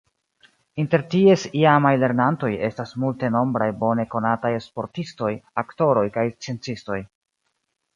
Inter ties iamaj lernantoj estas multenombraj bone konataj sportistoj, aktoroj kaj sciencistoj.